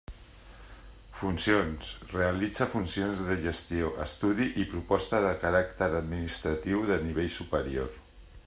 Funcions: realitza funcions de gestió, estudi i proposta de caràcter administratiu de nivell superior.